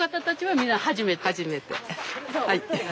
はい。